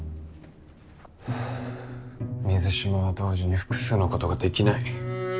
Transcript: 水島は同時に複数のことができない。